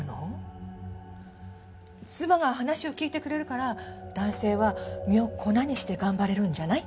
妻が話を聞いてくれるから男性は身をコナにして頑張れるんじゃない？